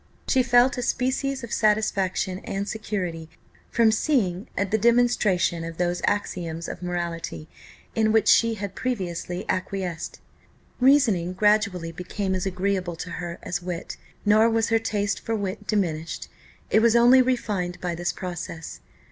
She felt a species of satisfaction and security, from seeing the demonstration of those axioms of morality, in which she had previously acquiesced. Reasoning gradually became as agreeable to her as wit; nor was her taste for wit diminished, it was only refined by this process.